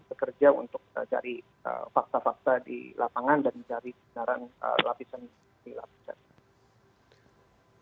pekerja untuk cari fakta fakta di lapangan dan cari benaran lapisan lapisan